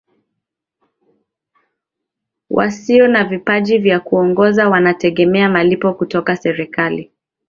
wasio na vipaji vya kuongoza wanategemea malipo kutoka serikali